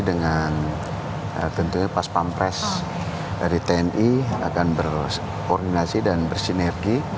dengan tentunya pas pampres dari tni akan berkoordinasi dan bersinergi